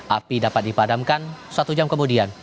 api dapat dipadamkan satu jam kemudian